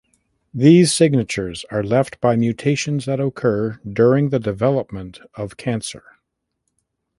These signatures are left by mutations that occur during the development of cancer.